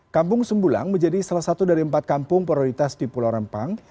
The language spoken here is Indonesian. kampung sembulang menjadi salah satu dari empat kampung prioritas di pulau rempang